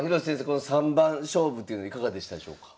この三番勝負っていうのいかがでしたでしょうか。